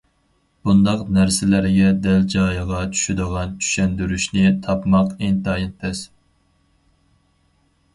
بۇنداق نەرسىلەرگە دەل جايىغا چۈشىدىغان چۈشەندۈرۈشنى تاپماق ئىنتايىن تەس.